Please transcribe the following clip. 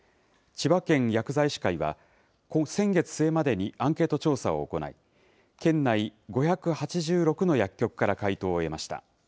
千葉県薬剤師会は、先月末までにアンケート調査を行い、県内５８６の薬局から回答を得ました。